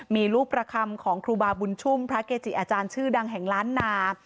มีรูปประคำของครูบาบุญชุ่มพระเกจิอาจารย์ชื่อดังแห่งล้านนา